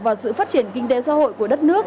vào sự phát triển kinh tế xã hội của đất nước